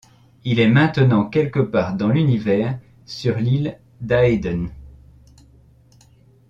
Il est maintenant quelque part dans l'Univers, sur l'île d'Aeden.